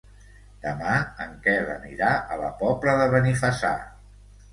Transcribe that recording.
Demà en Quel anirà a la Pobla de Benifassà.